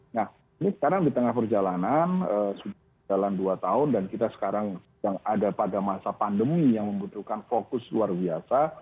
nah ini sekarang di tengah perjalanan sudah jalan dua tahun dan kita sekarang sedang ada pada masa pandemi yang membutuhkan fokus luar biasa